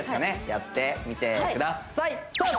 やってみてくださいさあ